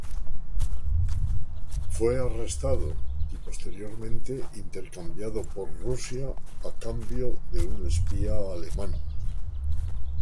Fue arrestado y posteriormente intercambiado por Rusia a cambio de un espía alemán.